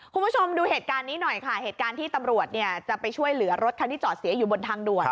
คุณผู้ชมดูเหตุการณ์นี้หน่อยค่ะเหตุการณ์ที่ตำรวจเนี่ยจะไปช่วยเหลือรถคันที่จอดเสียอยู่บนทางด่วน